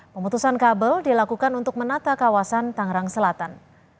pemutusan kabel dilakukan untuk menata kawasan tangerang selatan